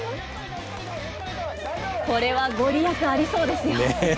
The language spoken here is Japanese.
これはご利益ありそうですよ。